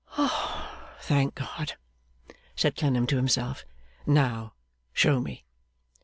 'Thank God!' said Clennam to himself. 'Now show me.